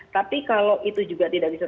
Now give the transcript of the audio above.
tapi kalau itu juga tidak bisa